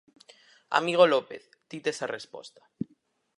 Amigo López, ti tes a resposta.